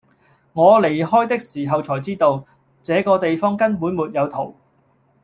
在我離開的時候才知道，這個地方根本沒有桃